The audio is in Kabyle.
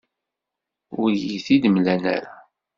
Ur iyi-t-id-mlan ara.